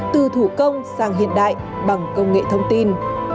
từ thủ công sang hiện đại bằng công nghệ thông tin